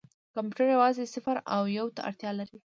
کمپیوټر یوازې صفر او یو ته اړتیا لري.